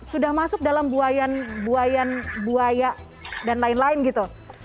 sudah masuk dalam buayan buaya dan lain lain gitu